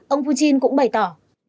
ông putin cũng bày tỏ